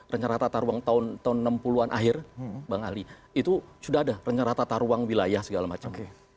rencana tata ruang tahun enam puluh an akhir bang ali itu sudah ada rencana tata ruang wilayah segala macam